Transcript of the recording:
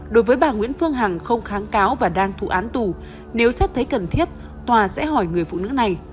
đối với bà nguyễn phương hằng không kháng cáo và đang thụ án tù nếu xét thấy cần thiết tòa sẽ hỏi người phụ nữ này